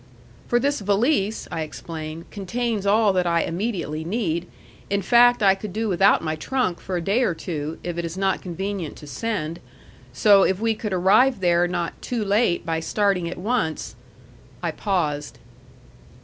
"For this valise," I explained, "contains all that I immediately need; in fact, I could do without my trunk for a day or two, if it is not convenient to send. So if we could arrive there not too late by starting at once " I paused.